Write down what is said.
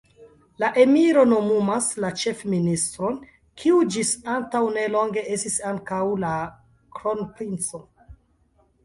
La emiro nomumas la ĉefministron, kiu ĝis antaŭ nelonge estis ankaŭ la kronprinco.